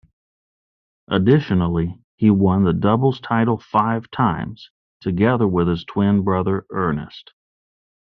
Additionally he won the doubles title five times together with his twin brother Ernest.